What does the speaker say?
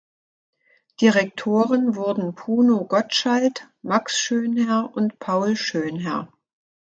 Direktoren wurden Bruno Gottschaldt, Max Schönherr und Paul Schönherr.